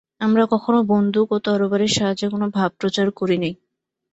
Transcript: আমরা কখনও বন্দুক ও তরবারির সাহায্যে কোন ভাব প্রচার করি নাই।